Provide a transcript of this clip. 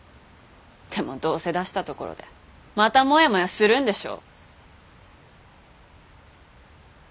でもどうせ出したところでまたモヤモヤするんでしょ。